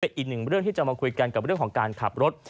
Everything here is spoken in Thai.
อีกหนึ่งเรื่องที่จะมาคุยกันกับเรื่องของการขับรถ